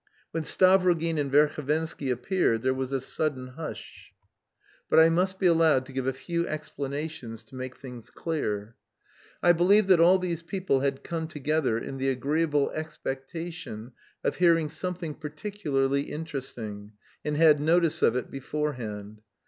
When Stavrogin and Verhovensky appeared there was a sudden hush. But I must be allowed to give a few explanations to make things clear. I believe that all these people had come together in the agreeable expectation of hearing something particularly interesting, and had notice of it beforehand.